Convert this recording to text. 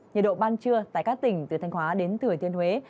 nhiệt độ ban trưa tại các tỉnh từ thanh hóa đến thừa thiên huế